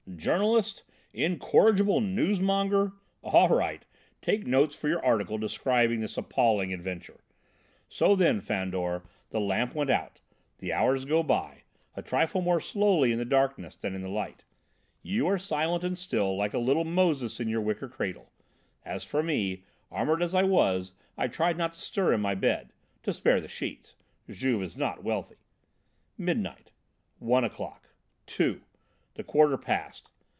"Journalist! Incorrigible newsmonger! All right, take notes for your article describing this appalling adventure. So, then, Fandor, the lamp once out, the hours go by, a trifle more slowly in the darkness than in the light. You are silent and still like a little Moses in your wicker cradle. As for me, armoured as I was, I tried not to stir in my bed to spare the sheets Juve is not wealthy. Midnight, one o'clock, two, the quarter past.